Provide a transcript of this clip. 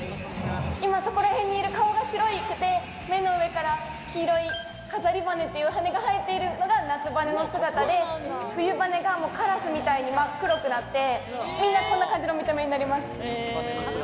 今そこら辺にいる、顔が白くて、目の上から黄色い飾り羽という羽が生えているのが夏羽根の姿で、冬羽がカラスみたいに真っ黒くなって、みんな、こんな感じの見た目になります。